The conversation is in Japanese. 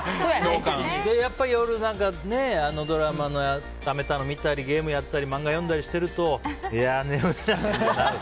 やっぱ、夜ドラマためたの見たりゲームやったりマンガ読んだりしてるといやー眠いなって。